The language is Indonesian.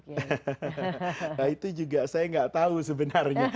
nah itu juga saya nggak tahu sebenarnya